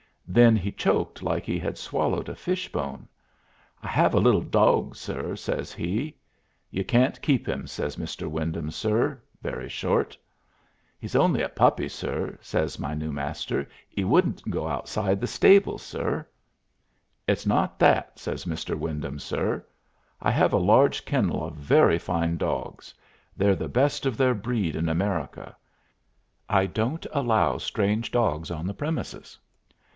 Then he choked like he had swallowed a fish bone. "I have a little dawg, sir," says he. "You can't keep him," says "Mr. Wyndham, sir," very short. "'E's only a puppy, sir," says my new Master; "'e wouldn't go outside the stables, sir." "It's not that," says "Mr. Wyndham, sir." "I have a large kennel of very fine dogs; they're the best of their breed in America. I don't allow strange dogs on the premises."